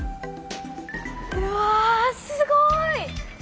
うわすごい！